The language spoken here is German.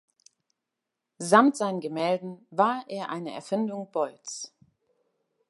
Samt seinen Gemälden war er eine Erfindung Boyds.